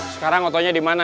sekarang otonya dimana